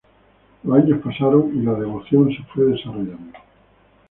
Los años pasaron y la devoción se fue desarrollando.